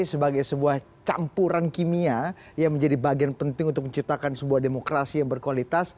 sebagai sebuah campuran kimia yang menjadi bagian penting untuk menciptakan sebuah demokrasi yang berkualitas